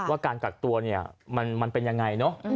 ว่าการกักตัวเนี่ยมันเป็นยังไงเนอะ